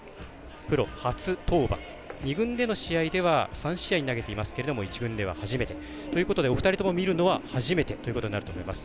プロ初登板、２軍での試合では３試合投げていますけれども１軍では、初めてということでお二人とも見るの初めてになるかと思います。